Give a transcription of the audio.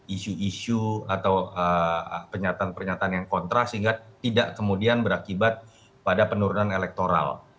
isu isu atau pernyataan pernyataan yang kontra sehingga tidak kemudian berakibat pada penurunan elektoral